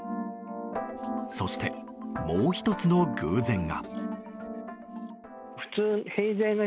そして、もう１つの偶然が。